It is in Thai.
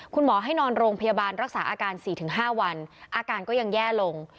คุณหมอให้นอนโรงพยาบาลรักษาอาการ๔๕วันอาการก็ยังแย่ลง